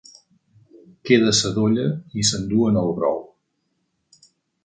Queda sadolla i s'enduen el brou.